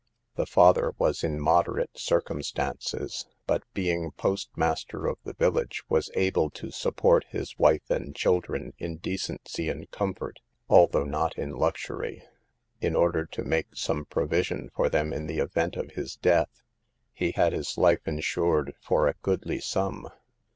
The father was in moderate circumstances, but being postmaster of the village was able to support his wife and children in decency and comfort, although not in luxury. In order to make some provision for them in the event of his death, he had his life insured for a goodly sum.